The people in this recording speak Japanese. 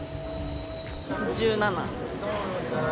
１７。